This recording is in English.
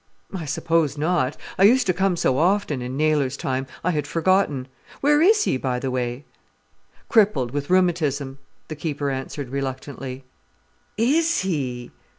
"I suppose not. I used to come so often, in Naylor's time, I had forgotten. Where is he, by the way?" "Crippled with rheumatism," the keeper answered reluctantly. "Is he?"